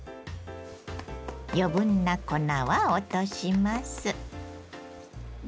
余分な粉は落とします。